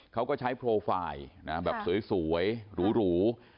เขาก็ใช้โปรไฟล์แบบสวยหรู